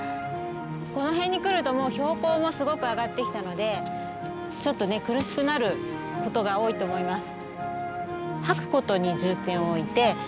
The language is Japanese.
この辺に来るともう標高もすごく上がってきたのでちょっとね苦しくなることが多いと思います。